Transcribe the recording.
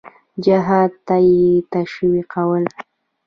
جهاد ته یې تشویقول.